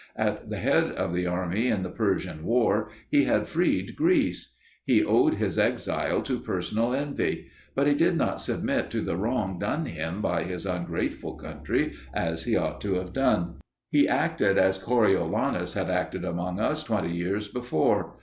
At the head of the army in the Persian war he had freed Greece; he owed his exile to personal envy: but he did not submit to the wrong done him by his ungrateful country as he ought to have done. He acted as Coriolanus had acted among us twenty years before.